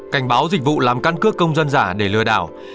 cảnh báo dịch vụ làm căn cước công dân giả để lừa đảo